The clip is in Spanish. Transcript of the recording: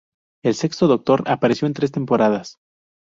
El Sexto Doctor apareció en tres temporadas.